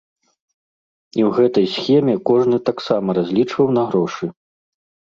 І ў гэтай схеме кожны таксама разлічваў на грошы.